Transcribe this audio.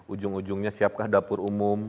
ujung ujungnya siapkah dapur umum